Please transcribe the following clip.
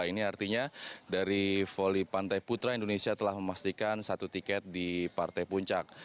ini artinya dari voli pantai putra indonesia telah memastikan satu tiket di partai puncak